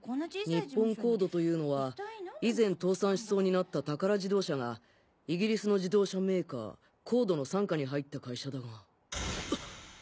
日本コードというのは以前倒産しそうになったタカラ自動車がイギリスの自動車メーカーコードの傘下に入った会社だが